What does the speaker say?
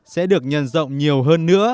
sẽ được nhân rộng nhiều hơn